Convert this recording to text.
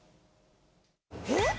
えっ？